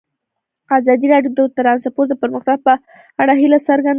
ازادي راډیو د ترانسپورټ د پرمختګ په اړه هیله څرګنده کړې.